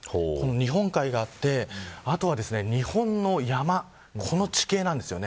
日本海があって、あとは日本の山この地形です。